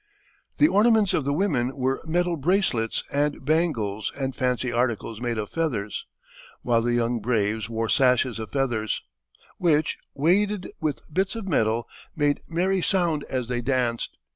The ornaments of the women were metal bracelets and bangles and fancy articles made of feathers, while the young braves wore sashes of feathers, which, weighted with bits of metal, made merry sound as they danced.